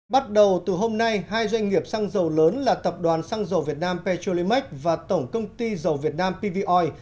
bắt đầu từ hôm nay hai doanh nghiệp xăng dầu lớn là tập đoàn xăng dầu việt nam petrolimex và tổng công ty dầu việt nam pv oil